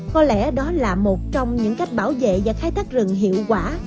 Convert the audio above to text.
có lẽ đó là một trong những cách bảo vệ và khai thác rừng hiệu quả